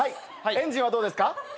エンジンはどうですか？